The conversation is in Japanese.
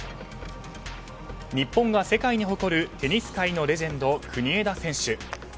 日本が世界に誇るテニス界のレジェンド、国枝選手。